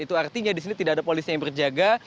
itu artinya di sini tidak ada polisi yang berjaga